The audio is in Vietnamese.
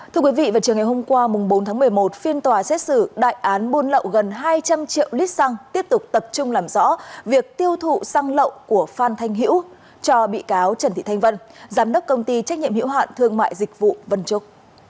thưa quý vị vào chiều ngày hôm qua bốn tháng một mươi một phiên tòa xét xử đại án buôn lậu gần hai trăm linh triệu lít xăng tiếp tục tập trung làm rõ việc tiêu thụ xăng lậu của phan thanh hữu cho bị cáo trần thị thanh vân giám đốc công ty trách nhiệm hiệu hạn thương mại dịch vụ vân trúc